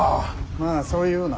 まあそう言うな。